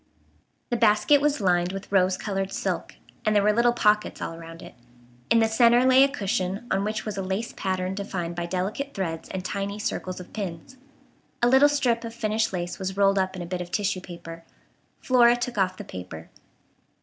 The basket was lined with rose colored silk, and there were little pockets all around it. In the centre lay a cushion on which was a lace pattern defined by delicate threads and tiny circles of pins. A little strip of finished lace was rolled up in a bit of tissue paper. Flora took off the paper.